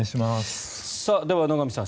では野上さん